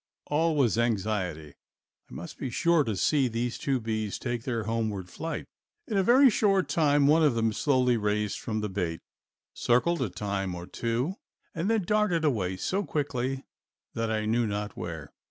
All was anxiety! I must be sure to see these two bees take their homeward flight. In a very short time one of them slowly raised from the bait, circled a time or two, and then darted away so quickly that I knew not where.